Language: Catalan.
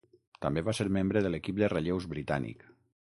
També va ser membre de l'equip de relleus britànic.